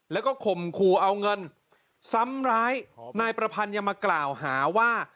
แล้วก็ข่มขู่เอาเงินซ้ำร้ายนายประพันธ์ยังมากล่าวหาว่า